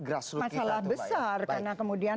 masalah besar karena kemudian